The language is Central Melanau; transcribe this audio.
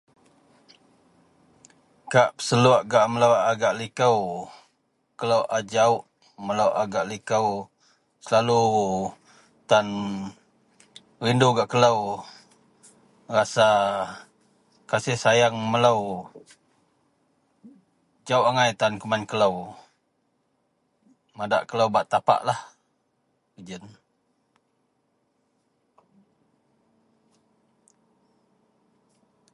kak peseluk gak melou a gak liko, kelou a jauh melou a gak liko, selalu tan rindu gak kelou, rasa kasih sayang melou jauh agai tan keman kelou, madak kelou bak tapaklah keji yen